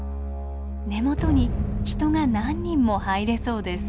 根元に人が何人も入れそうです。